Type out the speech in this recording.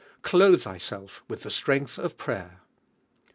Clothe thyself with the strength of prajer.